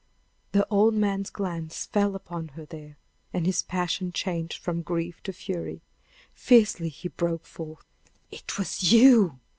The old man's glance fell upon her there, and his passion changed from grief to fury. Fiercely he broke forth: "It was you!